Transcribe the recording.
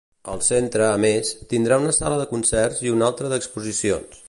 El Centre, a més, tindrà una sala de concerts i una altra d'exposicions.